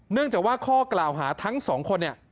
เนื่องจากว่าข้อกล่าวหาทั้งสองคนเนี่ย